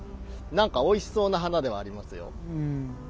何かおいしそうな花ではありますよ。